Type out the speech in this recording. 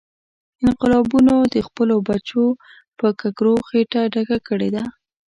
انقلابونو د خپلو بچو په ککرو خېټه ډکه کړې ده.